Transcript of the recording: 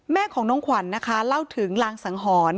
แม่ของน้องขวัญนะคะเล่าถึงลางสังหรณ์